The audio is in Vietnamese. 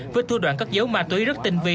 với thua đoạn các dấu ma túy rất tinh vi